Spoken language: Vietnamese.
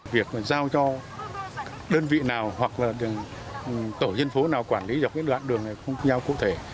việc giao cho đơn vị nào hoặc là tổ dân phố nào quản lý dọc cái đoạn đường này không giao cụ thể